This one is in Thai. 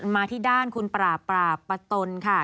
มาที่ด้านคุณปราบปราบปะตนค่ะ